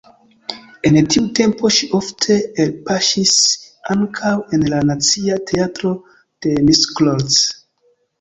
En tiu tempo ŝi ofte elpaŝis ankaŭ en la Nacia Teatro de Miskolc.